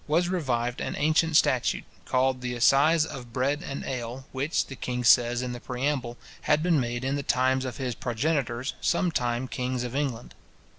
was revived an ancient statute, called the assize of bread and ale, which, the king says in the preamble, had been made in the times of his progenitors, some time kings of England.